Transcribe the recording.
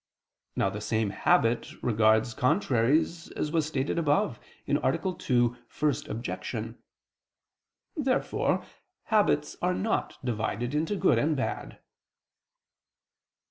Now the same habit regards contraries, as was stated above (A. 2, Obj. 1). Therefore habits are not divided into good and bad.